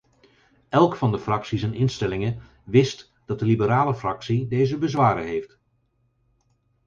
Elk van de fracties en instellingen wist dat de liberale fractie deze bezwaren heeft.